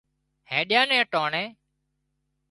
هينڏيا نين ٽانڻي